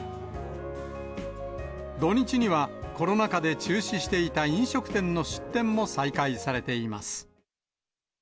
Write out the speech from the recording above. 土日には、コロナ禍で中止していた飲食店の出店も再開されています。